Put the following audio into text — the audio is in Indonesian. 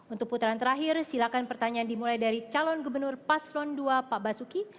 untuk putaran terakhir silakan pertanyaan dimulai dari calon gubernur paslon dua pak basuki